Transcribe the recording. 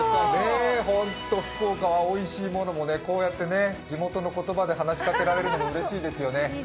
ホント福岡はおいしいものもね、こうやって地元の言葉で話しかけられるのうれしいですよね。